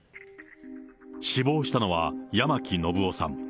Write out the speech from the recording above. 死亡したのは、八巻信雄さん。